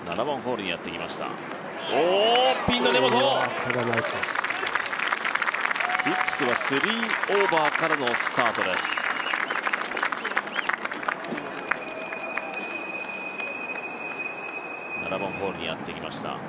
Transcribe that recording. ７番ホールにやってきました。